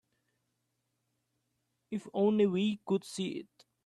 If only we could see it.